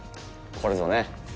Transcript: これぞね。